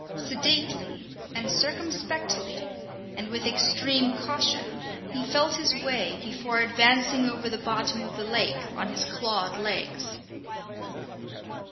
Sedately and circumspectly, and with extreme caution, he felt his way before advancing over the bottom of the lake on his clawed legs.